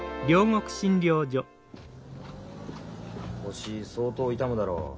腰相当痛むだろう。